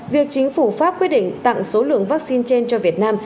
việc chính phủ pháp quyết định tặng số lượng vaccine trên cho việt nam